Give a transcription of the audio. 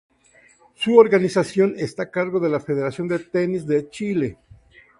Su organización está a cargo de la Federación de Tenis de Chile.